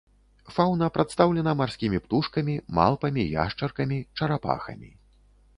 Фаўна прадстаўлена марскімі птушкамі, малпамі, яшчаркамі, чарапахамі.